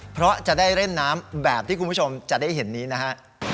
เพราะจะได้เล่นน้ำแบบที่คุณผู้ชมจะได้เห็นนี้นะฮะ